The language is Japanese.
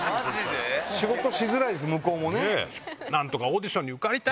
仕事しづらいです向こうもね。